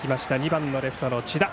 ２番レフトの千田。